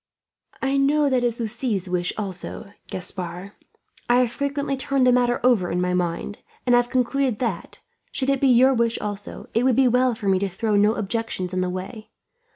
"I know that is Lucie's wish, also, Gaspard; and I have frequently turned the matter over in my mind, and have concluded that, should it be your wish also, it would be well for me to throw no objections in the way.